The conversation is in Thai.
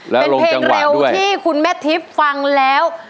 แล้วลงจังหวะด้วยเป็นเพลงเร็วที่คุณแม่ทิฟฟ์ฟังแล้ว